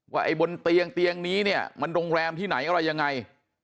ไอ้บนเตียงเตียงนี้เนี่ยมันโรงแรมที่ไหนอะไรยังไง